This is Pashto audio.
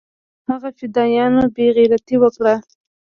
هغه فدايانو بې غيرتي اوکړه.